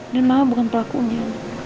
dan mama bukan pelakunya